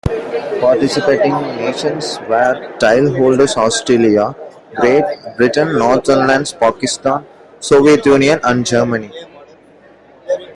Participating nations were: titleholders Australia, Great Britain, Netherlands, Pakistan, Soviet Union and Germany.